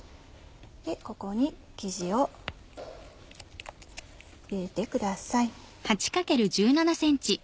ここに生地を入れてください。